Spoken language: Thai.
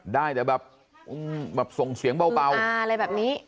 ได้แต่แบบอืมแบบส่งเสียงเปล่าอะไรแบบนี้